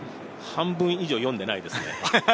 半分以上読んでいないですね。